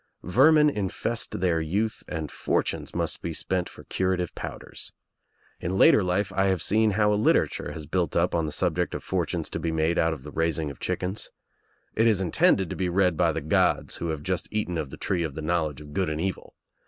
Vermin in fest their youth, and fortunes must be spent for cura tive powders. In later life I have seen how a literature has been built up on the subject of fortunes to be made out of the raising of chickens. It is intended to be read by the gods who have just eaten of the tree of the knowledge of good and evil.